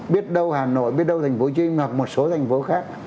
biết đâu hà nội biết đâu thành phố chinh hoặc một số thành phố khác